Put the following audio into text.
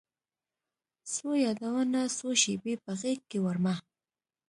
څو یادونه، څو شیبې په غیږکې وړمه